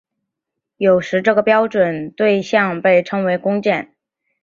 有时这个标准对像被称为工件。